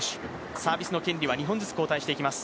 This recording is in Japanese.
サービスの権利は２本ずつ交代していきます。